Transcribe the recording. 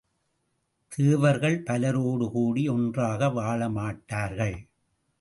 தேவர்கள், பலரோடு கூடி ஒன்றாக வாழ மாட்டார்கள்!